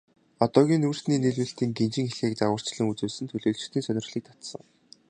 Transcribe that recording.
Одоогийн нүүрсний нийлүүлэлтийн гинжин хэлхээг загварчлан үзүүлсэн нь төлөөлөгчдийн сонирхлыг татсан.